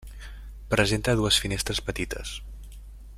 Presenta dues finestres petites.